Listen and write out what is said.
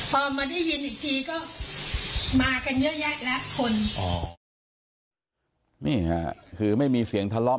พอมาได้ยินอีกทีก็มากันเยอะแยะแล้วคนอ๋อนี่ค่ะคือไม่มีเสียงทะเลาะ